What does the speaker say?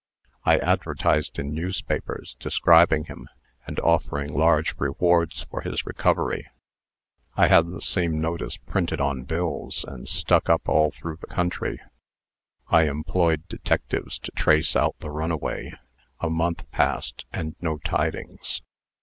I advertised in newspapers, describing him, and offering large rewards for his recovery. I had the same notice printed on bills, and stuck up all through the country. I employed detectives to trace out the runaway. A month passed, and no tidings.